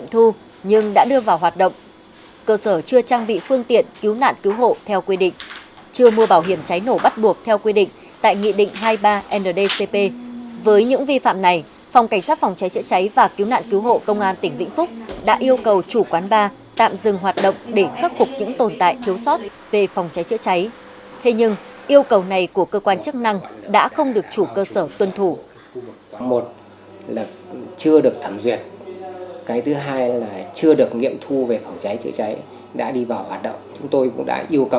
phòng cảnh sát phòng cháy chữa cháy và cứu nạn cứu hộ công an tỉnh vĩnh phúc đã tiến hành kiểm tra thực tế việc chấp hành các quy định đảm bảo an toàn phòng cháy chữa cháy cơ sở này